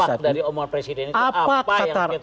dampak dari omongan presiden itu apa yang terjadi